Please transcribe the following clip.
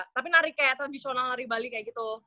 tapi nari kayak tradisional nari bali kayak gitu